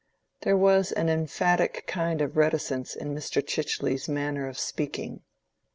There was an emphatic kind of reticence in Mr. Chichely's manner of speaking.